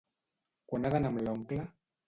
Quan ha d'anar amb l'oncle?